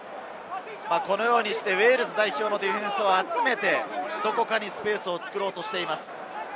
このようにしてウェールズ代表のディフェンスを集めて、どこかにスペースを作ろうとしています。